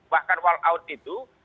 bahkan wall out itu